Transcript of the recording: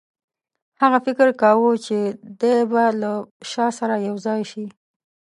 هغه فکر کاوه چې دی به له شاه سره یو ځای شي.